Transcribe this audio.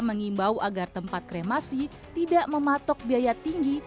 mengimbau agar tempat kremasi tidak mematok biaya tinggi